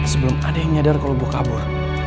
sebelum ada yang nyadar kalau gue kabur